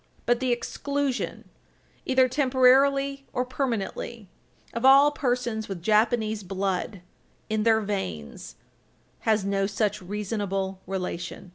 But the exclusion, either temporarily or permanently, of all persons with Japanese blood in their veins has no such reasonable relation.